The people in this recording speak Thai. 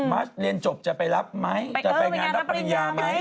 ัสเรียนจบจะไปรับไหมจะไปงานรับปริญญาไหม